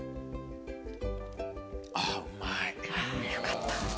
あぁよかった。